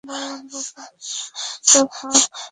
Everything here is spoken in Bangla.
যা ভাগ, মাদারচোদ।